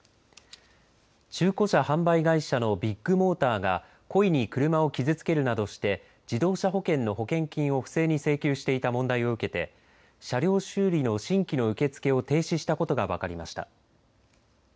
中古車販売会社のビッグモーターが故意に車を傷つけるなどして自動車保険の保険金を不正に請求していた問題を受けて車両修理の新規の受け付けを停止したことが分かりました。